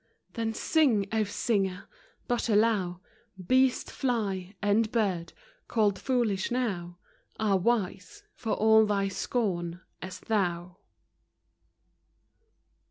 Then sing, O singer! — but allow Beast, fly, and bird, called foolish now, Are wise (for all thy scorn) as thou